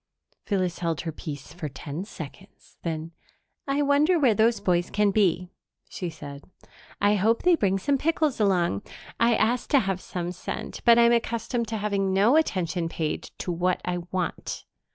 Phyllis held her peace for ten seconds; then, "I wonder where those boys can be," she said. "I hope they bring some pickles along. I asked to have some sent, but I'm accustomed to having no attention paid to what I want."